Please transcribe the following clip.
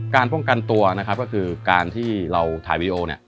การป้องกันตัวนะครับก็คือการที่เราถ่ายวิดีโอ